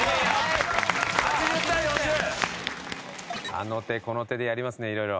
あの手この手でやりますね色々。